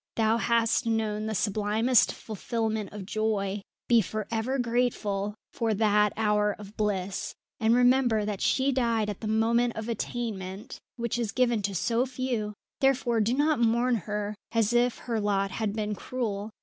Thou hast known the sublimest fulfilment of joy. Be for ever grateful for that hour of bliss, and remember that she died at the moment of attainment, which is given to so few; therefore do not mourn as if her lot had been cruel.